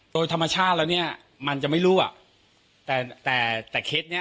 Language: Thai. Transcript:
โดยธรรมชาติแล้วเนี้ยมันจะไม่รั่วแต่แต่เคสเนี้ย